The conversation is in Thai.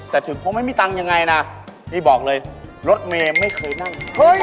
แต่ถึงคงไม่มีตังค์ยังไงนะพี่บอกเลยรถเมย์ไม่เคยนั่ง